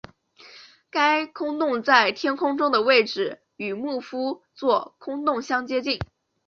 该空洞在天空中的位置与牧夫座空洞相接近。